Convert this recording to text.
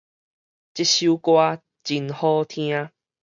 這首歌真好聽